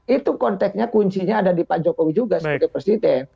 itu konteknya kuncinya ada di pak jokowi juga sebagai presiden